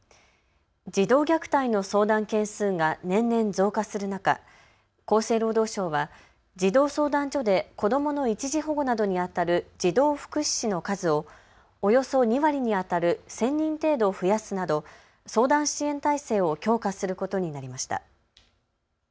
児童虐待の相談件数が年々増加する中、厚生労働省は児童相談所で子どもの一時保護などにあたる児童福祉司の数をおよそ２割にあたる１０００人程度増やすなど相談支援体制を強化することになりました。